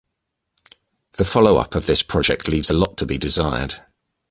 The follow-up of this project leaves a lot to be desired.